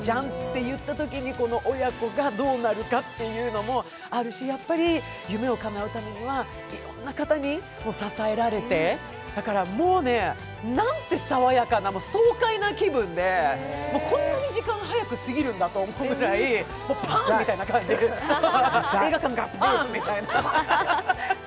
そういうときにこの親子がどうなるかっていうのもあるし、夢をかなえるためにはいろんな方に支えられて、だから、もうね、なんて爽やかな、爽快な気分でこんなに時間、早く過ぎるんだみたいな感じで映画館がパーン！って感じ。